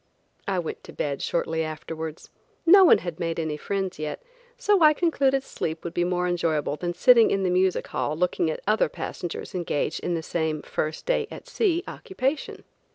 I went to bed shortly afterwards. No one had made any friends yet, so I concluded sleep would be more enjoyable than sitting in the music hall looking at other passengers engaged in the same first day at sea occupation.